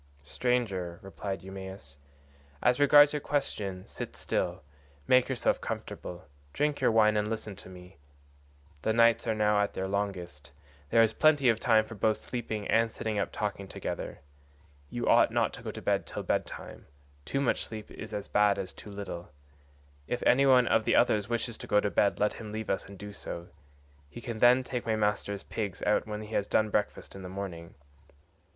"Stranger," replied Eumaeus, "as regards your question: sit still, make yourself comfortable, drink your wine, and listen to me. The nights are now at their longest; there is plenty of time both for sleeping and sitting up talking together; you ought not to go to bed till bed time, too much sleep is as bad as too little; if any one of the others wishes to go to bed let him leave us and do so; he can then take my master's pigs out when he has done breakfast in the morning.